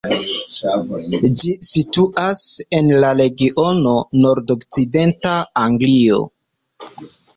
Ĝi situas en la regiono nordokcidenta Anglio.